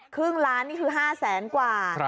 ครึ่งล้านนี่คือ๕แสนกว่า